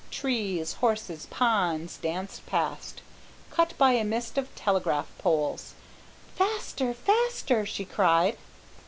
Trees, houses, ponds, danced past, cut by a mist of telegraph poles. "Faster! faster!" she cried.